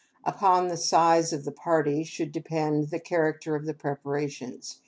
Upon the size of the party should depend the character of the preparations.